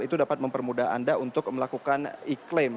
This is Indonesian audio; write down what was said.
itu dapat mempermudah anda untuk melakukan iklim